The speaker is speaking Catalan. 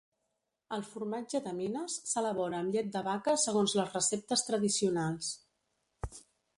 El formatge de Minas s'elabora amb llet de vaca segons les receptes tradicionals.